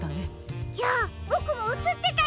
じゃあボクもうつってたりして！